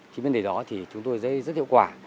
chính vấn đề đó thì chúng tôi sẽ rất hiệu quả